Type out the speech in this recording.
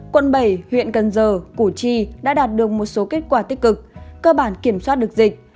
quận bảy huyện cần giờ củ chi đã đạt được một số kết quả tích cực cơ bản kiểm soát được dịch